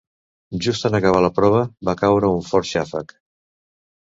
Just en acabar la prova, va caure un fort xàfec.